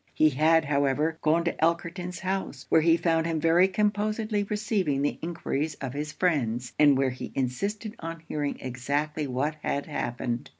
He had, however, gone to Elkerton's house, where he found him very composedly receiving the enquiries of his friends, and where he insisted on hearing exactly what had happened.